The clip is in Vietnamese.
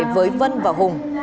với vân và hùng